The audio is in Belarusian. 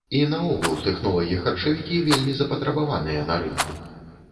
І наогул, тэхнолагі-харчавікі вельмі запатрабаваныя на рынку.